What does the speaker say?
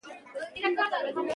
بیې باید کنټرول شي.